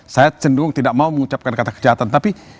saya cenderung tidak mau mengucapkan kata kejahatan tapi